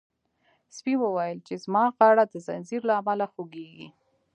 سپي وویل چې زما غاړه د زنځیر له امله خوږیږي.